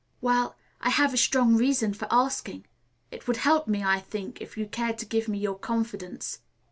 "Well, I have a strong reason for asking. It would help me, I think, if you cared to give me your confidence."